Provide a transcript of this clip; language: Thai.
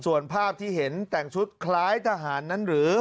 ส่วนภาพที่เห็นแต่งชุดคล้ายทหารนั้นหรือ